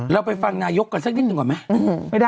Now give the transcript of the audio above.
เราไปฟังนายกกันสักนิดหนึ่งก่อนไหม